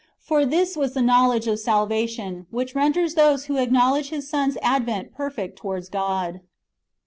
For this was the knowledge of salvation, which renders those who acknowledge His Son's advent perfect towards God.